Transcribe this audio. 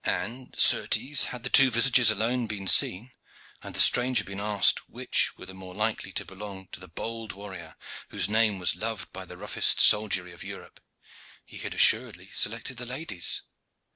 And, certes, had the two visages alone been seen, and the stranger been asked which were the more likely to belong to the bold warrior whose name was loved by the roughest soldiery of Europe, he had assuredly selected the lady's.